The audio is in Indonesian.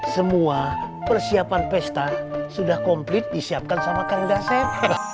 semua persiapan pesta sudah komplit disiapkan sama kang dasen